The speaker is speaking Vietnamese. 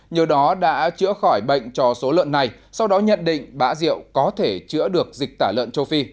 nhờ đó đã chữa khỏi bệnh cho số lợn này sau đó nhận định bã rượu có thể chữa được dịch tả lợn châu phi